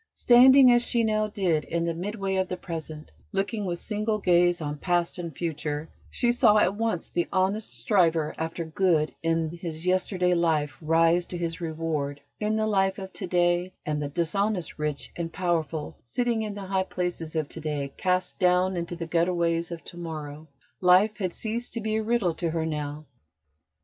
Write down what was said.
Standing, as she now did, in the midway of the present, looking with single gaze on past and future, she saw at once the honest striver after good in his yesterday life rise to his reward in the life of to day, and the dishonest rich and powerful sitting in the high places of to day cast down into the gutterways of to morrow. Life had ceased to be a riddle to her now.